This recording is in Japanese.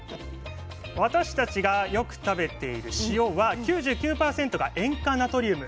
私たちがよく食べている塩は９９％が塩化ナトリウム。